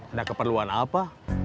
ada keperluan apa